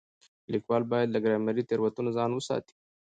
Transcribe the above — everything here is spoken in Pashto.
ليکوال بايد له ګرامري تېروتنو ځان وساتي.